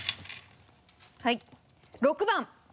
はい６番。